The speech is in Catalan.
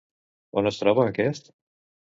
On es troba aquest?